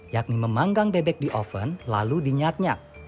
yakni memanggang bebek di oven lalu dinyat nyak